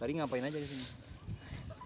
tadi ngapain aja di sini